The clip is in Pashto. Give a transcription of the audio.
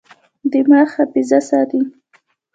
دماغ حافظه ساتي.